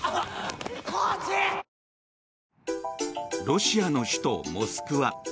ロシアの首都モスクワ。